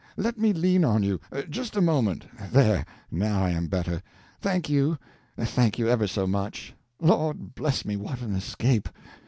Let me lean on you just a moment there; now I am better thank you; thank you ever so much. Lord bless me, what an escape!"